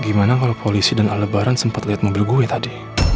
gimana kalau polisi dan lebaran sempat lihat mobil gue tadi